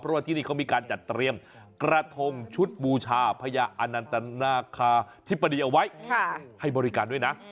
เพราะว่าที่นี่เขามีการจัดเตรียมกระทงชุดบูชาพญาอนันตนาคาธิบดีเอาไว้ให้บริการด้วยนะ